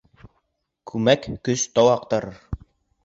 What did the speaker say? Күмәк көс тау аҡтарыр